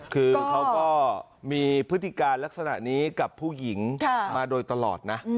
คือเขาก็มีพฤติการลักษณะนี้กับผู้หญิงมาโดยตลอดนะ